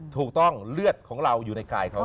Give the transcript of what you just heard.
เลือดของเราอยู่ในกายเขา